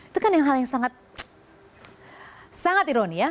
itu kan yang hal yang sangat ironi ya